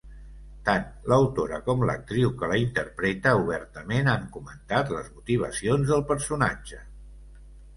Tant l'autora com l'actriu que la interpreta obertament han comentat les motivacions del personatge.